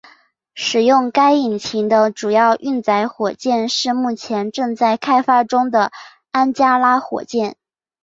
使用该引擎的主要运载火箭是目前正在开发中的安加拉火箭。